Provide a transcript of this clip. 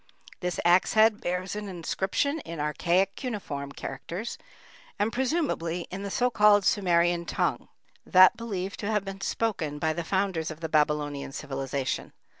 This axe head bears an inscription in archaic cuneiform characters, and presumably in the so called Sumerian tongue, that believed to have been spoken by the founders of the Babylonian civilization.